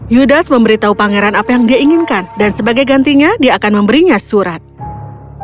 judas memberitahu pangeran apa yang dia inginkan dan sebagai gantinya dia akan menerima suratnya